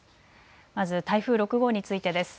まず台風６号についてです。